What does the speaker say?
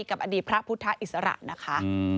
กับอดีตพระพุทธอิสระนะคะ